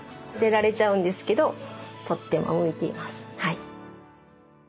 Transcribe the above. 捨てられちゃうんですけどとっても向いています。